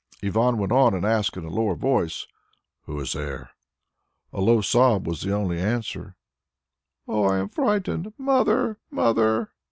Ivan went on and asked in a lower voice, "Who is there?" A low sob was the only answer, "Oh, I am frightened. Mother! Mother!"